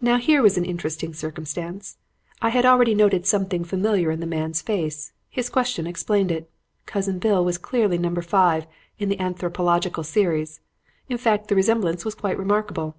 "Now here was an interesting circumstance. I had already noted something familiar in the man's face. His question explained it. Cousin Bill was clearly Number Five in the Anthropological Series. In fact, the resemblance was quite remarkable.